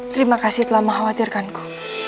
terima kasih telah mekhawatirkanku